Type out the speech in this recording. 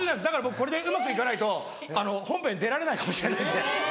だから僕これでうまく行かないと本編出られないかもしれないんで。